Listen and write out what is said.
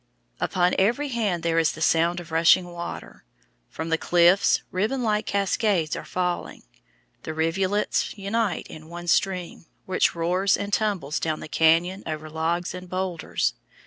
Upon every hand there is the sound of rushing water. From the cliffs ribbon like cascades are falling. The rivulets unite in one stream, which roars and tumbles down the cañon over logs and boulders.